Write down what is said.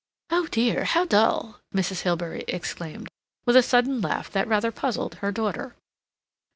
"Oh dear! How dull!" Mrs. Hilbery exclaimed, with a sudden laugh that rather puzzled her daughter.